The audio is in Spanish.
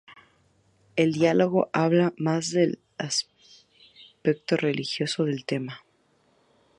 El diálogo habla más del aspecto religioso del tema.